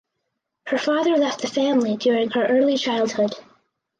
Her father left the family during her early childhood.